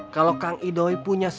kalau kang idoi punya